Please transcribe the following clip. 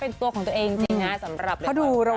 เป็นตัวของตัวเองจริงนะสำหรับเขาดูโรง